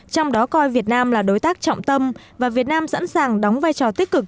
trong đó coi việt nam là đối tác trọng tâm và việt nam sẵn sàng đóng vai trò tích cực